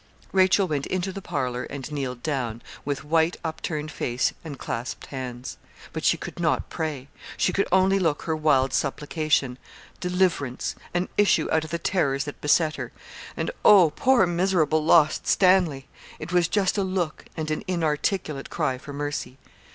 Rachel went into the parlour and kneeled down, with white upturned face and clasped hands. But she could not pray. She could only look her wild supplication; deliverance an issue out of the terrors that beset her; and 'oh! poor miserable lost Stanley!' It was just a look and an inarticulate cry for mercy.